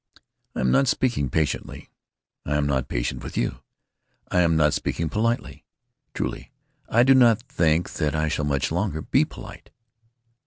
"I am not speaking patiently. I am not patient with you! I am not speaking politely. Truly, I do not think that I shall much longer be polite!